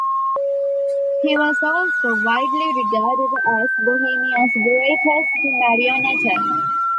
He was also widely regarded as Bohemia's greatest marionnetter.